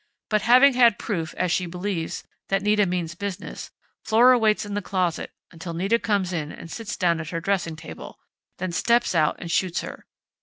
But having had proof, as she believes, that Nita means business, Flora waits in the closet until Nita comes in and sits down at her dressing table, then steps out and shoots her.